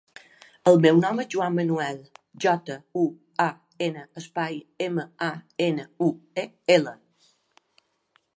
El meu nom és Juan manuel: jota, u, a, ena, espai, ema, a, ena, u, e, ela.